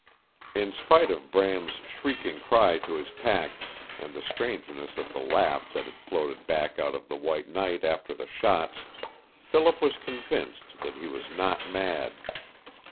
In spite of Bram's shrieking cry to his pack, and the strangeness of the laugh that had floated back out of the white night after the shots, Philip was convinced that he was not mad.